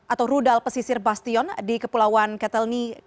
atau rudal pesisir bastion di kepulauan ketelni